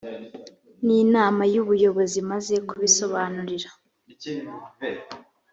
n inama y ubuyobozi imaze kubisobanurira